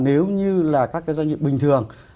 nếu như là các cái doanh nghiệp bình thường